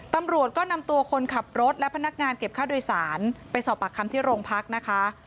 ตำรวจก็นำตัวคนขับรถและพนักงานเก็บค่าโดยสารไปสอบปากคำที่โรงพักนะคะ